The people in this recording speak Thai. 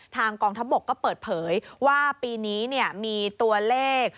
กองทัพบกก็เปิดเผยว่าปีนี้มีตัวเลข